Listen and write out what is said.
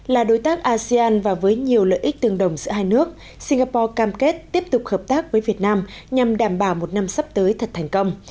là đối tác asean và với nhiều lợi ích tương đồng giữa hai nước singapore cam kết tiếp tục hợp tác với việt nam nhằm đảm bảo một năm sắp tới thật thành công